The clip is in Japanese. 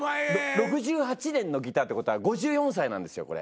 ′６８年のギターって事は５４歳なんですよこれ。